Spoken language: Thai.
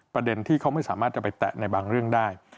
ประเด็นที่เขาไม่สามารถจะไปแตะในบางเรื่องได้